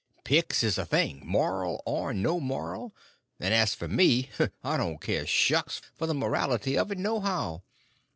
"Picks is the thing, moral or no moral; and as for me, I don't care shucks for the morality of it, nohow.